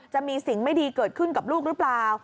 จะมีสิ่งไม่ดีเกิดขึ้นกับลูกหรือเปล่า